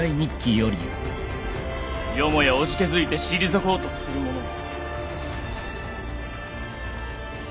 よもやおじけづいて退こうとする者は。